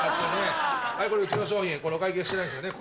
これうちの商品これお会計してないですよね？